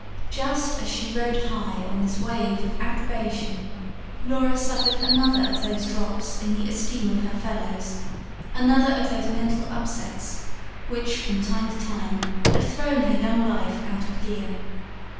just as she rode high on this wave of approbation, Laura suffered another of those drops in the esteem of her fellows, another of those mental upsets, which from time to time had thrown her young life out of gear.